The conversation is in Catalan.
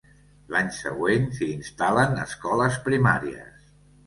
L'any següent s'hi instal·len escoles primàries.